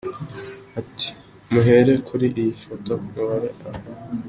Ati muhere kuri iyi foto mubare abayiriho.